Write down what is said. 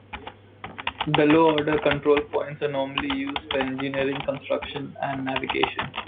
The lower-order control points are normally used for engineering, construction and navigation.